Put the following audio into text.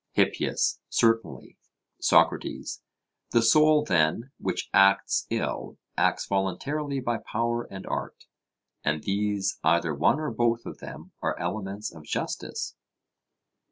HIPPIAS: Certainly. SOCRATES: The soul, then, which acts ill, acts voluntarily by power and art and these either one or both of them are elements of justice?